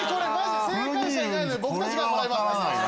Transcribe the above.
正解者いないので僕たちがもらいます。